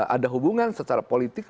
ada hubungan secara politik